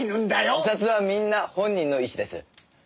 自殺はみんな本人の意思です。